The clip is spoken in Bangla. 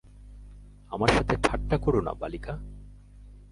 আমার সাথে ঠাট্টা করো না, বালিকা।